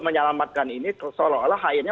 menyelamatkan ini seolah olah akhirnya